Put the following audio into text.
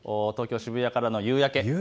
渋谷からの夕焼け。